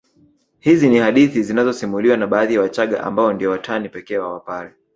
Hizi ni hadithi zinazosimuliwa na baadhi ya Wachaga ambao ndio watani pekee wa Wapare